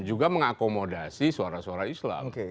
juga mengakomodasi suara suara islam